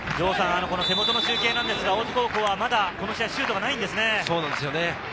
手元の集計ですが、大津高校はまだこの試合シュートがないんですね。